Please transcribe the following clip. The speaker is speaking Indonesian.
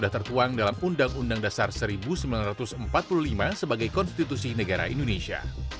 tertuang dalam undang undang dasar seribu sembilan ratus empat puluh lima sebagai konstitusi negara indonesia